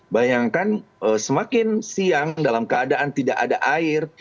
bayangkan semakin siang dalam keadaan tidak ada air